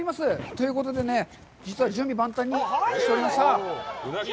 ということでね、実は準備万端にしておりました。